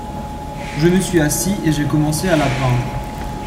Je me suis assis et j'ai commencé à la peindre.